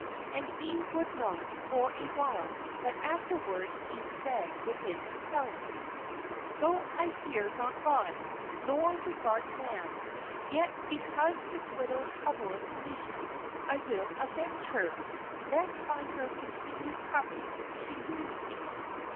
And he would not for a while: but afterward he said within himself :' Though I fear not God, nor regard man; yet be cause this widow troubleth me, I will avenge her, lest by her continued coming she weary me.'